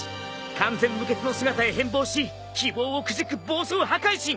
完全無欠の姿へ変貌し希望をくじく暴走破壊神。